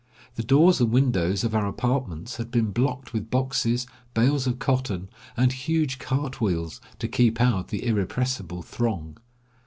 The doors and windows of our apartments had been blocked with boxes, bales of cotton, and huge cart wheels to keep out the irrepressible throng.